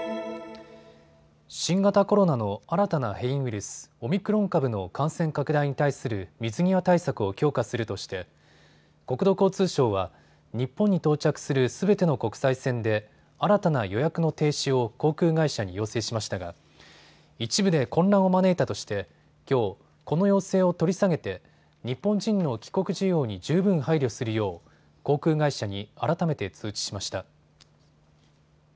新型コロナの新たな変異ウイルス、オミクロン株の感染拡大に対する水際対策を強化するとして国土交通省は日本に到着するすべての国際線で新たな予約の停止を航空会社に要請しましたが一部で混乱を招いたとしてきょう、この要請を取り下げて日本人の帰国需要に十分配慮するよう航空会社に改めて通知しました。